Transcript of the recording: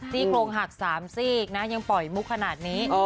โครงหัก๓ซีกนะยังปล่อยมุกขนาดนี้